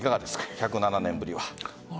１０７年ぶりは。